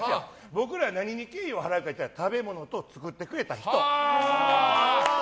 僕らは何に敬意を払いたいかというと食べ物と作ってくれた人。